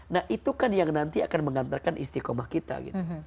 nah itu kan yang nanti akan mengantarkan istiqomah kita gitu